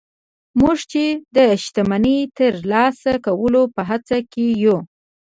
موږ چې د شتمني د ترلاسه کولو په هڅه کې يو.